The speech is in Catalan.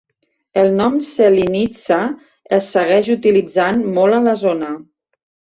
El nom "Selinitsa" es segueix utilitzant molt a la zona.